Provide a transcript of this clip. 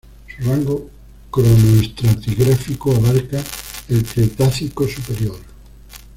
Su rango cronoestratigráfico abarca el Cretácico superior.